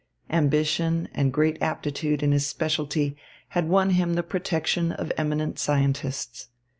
Ambition and great aptitude in his specialty had won him the protection of eminent scientists.